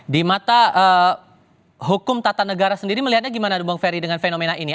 di mata hukum tata negara sendiri melihatnya gimana dong bang ferry dengan fenomena ini